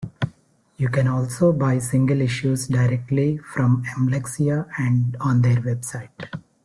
You can also buy single issues directly from Mslexia and on their website.